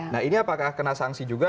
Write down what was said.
nah ini apakah kena sanksi juga